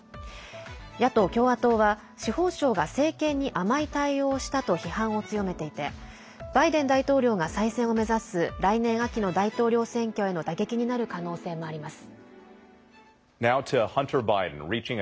野党・共和党は司法省が政権に甘い対応をしたと批判を強めていてバイデン大統領が再選を目指す来年秋の大統領選挙への打撃になる可能性もあります。